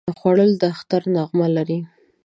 خوړل د اختر نغمه لري